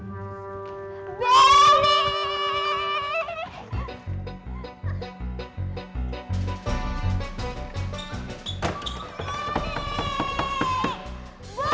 buka buka buka